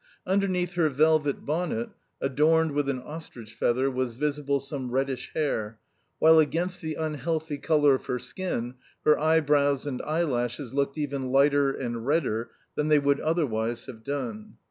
Underneath her velvet bonnet, adorned with an ostrich feather, was visible some reddish hair, while against the unhealthy colour of her skin her eyebrows and eyelashes looked even lighter and redder that they would other wise have done.